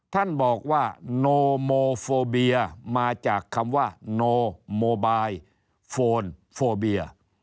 ท่านบอกว่าโนโมโฟเบียมาจากคำว่าโนโมบายโฟนโฟเบีย